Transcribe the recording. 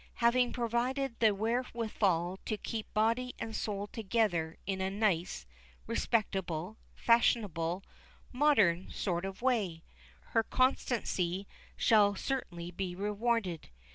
Having provided the wherewithal to keep body and soul together in a nice, respectable, fashionable, modern sort of way, her constancy shall certainly be rewarded.